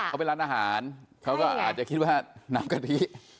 เขาเป็นร้านอาหารเขาก็อาจจะคิดว่าน้ำกะทิ